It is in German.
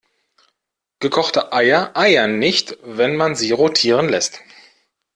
Gekochte Eier eiern nicht, wenn man sie rotieren lässt.